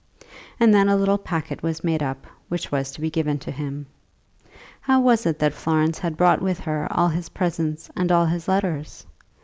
And then a little packet was made up, which was to be given to him. How was it that Florence had brought with her all his presents and all his letters?